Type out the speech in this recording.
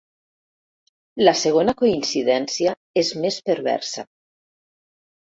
La segona coincidència és més perversa.